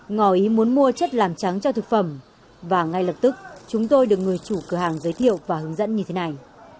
ngò ý muốn mua chất làm trắng cho thực phẩm và ngay lập tức chúng tôi được người chủ cửa hàng giới thiệu và hướng dẫn như thế này